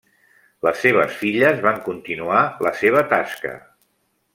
Les seves filles van continuar la seva tasca.